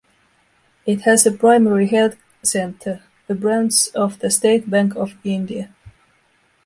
It has a primary health center, a branch of the State Bank of India.